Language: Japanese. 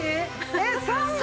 えっ３枚？